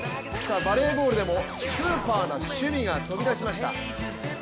バレーボールでもスーパーな守備が飛び出しました。